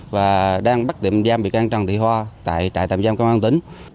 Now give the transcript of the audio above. và đang bắt đệm giam bị can trần thị hoa tại trại tạm giam công an tỉnh